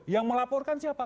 yang melaporkan siapa